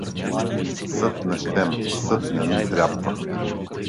— Съд не щем, съд не ни трябва!